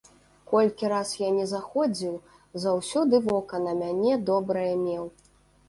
Колькі раз я ні заходзіў, заўсёды вока на мяне добрае меў.